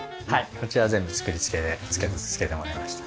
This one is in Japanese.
こちらは全部作り付けで付けてもらいました。